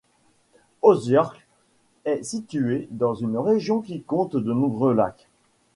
Oziorsk est située dans une région qui compte de nombreux lacs.